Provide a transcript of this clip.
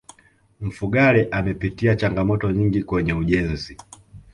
mfugale amepitia changamoto nyingi kwenye ujenzi